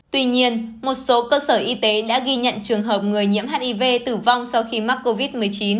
tuy nhiên một số cơ sở y tế đã ghi nhận trường hợp người nhiễm hiv tử vong sau khi mắc covid một mươi chín